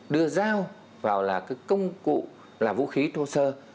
đưa dao vào là cái công cụ là vũ khí thô sơ